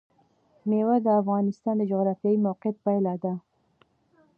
مېوې د افغانستان د جغرافیایي موقیعت پایله ده.